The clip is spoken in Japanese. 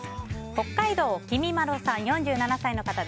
北海道、４７歳の方。